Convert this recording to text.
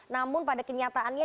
namun pada kenyataannya